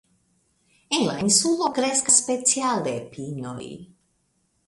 En la insulo kreskas speciale pinoj.